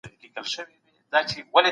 تپلي افکار د ټولني پرمختګ خنډوي.